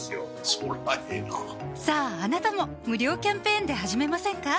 そりゃええなさぁあなたも無料キャンペーンで始めませんか？